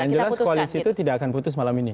yang jelas koalisi itu tidak akan putus malam ini